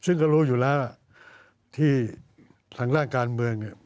ซึ่งก็รู้อยู่แล้วที่ทางด้านการเมืองเนี่ย